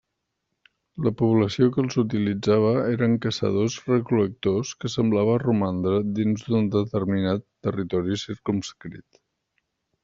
La població que els utilitzava eren caçadors-recol·lectors que semblava romandre dins d'un determinat territori circumscrit.